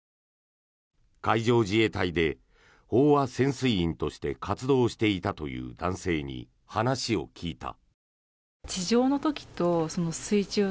海上自衛隊で飽和潜水員として活動していたという男性に話を聞いた。